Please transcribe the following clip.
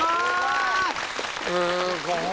すごーい！